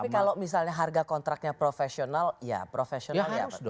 tapi kalau misalnya harga kontraknya profesional ya profesional ya